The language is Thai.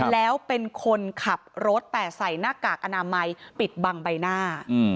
แล้วเป็นคนขับรถแต่ใส่หน้ากากอนามัยปิดบังใบหน้า